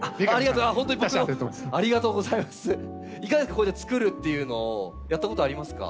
こうやってつくるっていうのをやったことありますか？